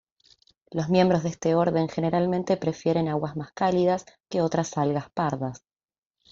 Los miembros de este orden generalmente prefieren aguas más cálidas que otras algas pardas.